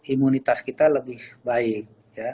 imunitas kita lebih baik